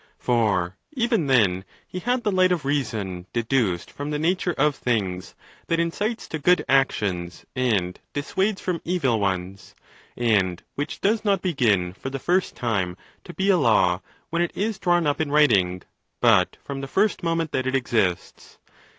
For, even then he had the light of reason deduced from the nature 432 ON THE LAWS. of things, that incites to good actions and dissuades from évil ones ; and which does not begin for the first time to be a law when it is drawn up in writing, but from the first moment that it exists.